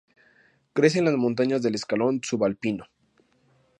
Crece en las montañas del escalón subalpino.